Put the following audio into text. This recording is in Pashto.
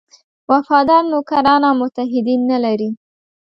وفادار نوکران او متحدین نه لري.